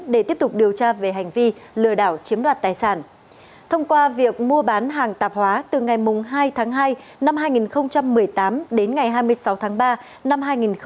để tiếp tục điều tra về hành vi lừa đảo chiếm đoạt tài sản thông qua việc mua bán hàng tạp hóa từ ngày hai tháng hai năm hai nghìn một mươi tám đến ngày hai mươi sáu tháng ba năm hai nghìn một mươi chín